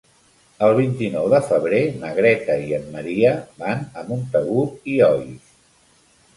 El vint-i-nou de febrer na Greta i en Maria van a Montagut i Oix.